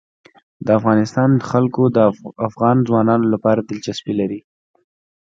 د افغانستان جلکو د افغان ځوانانو لپاره دلچسپي لري.